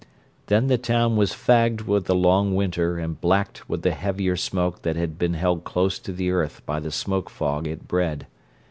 Then the town was fagged with the long winter and blacked with the heavier smoke that had been held close to the earth by the smoke fog it bred.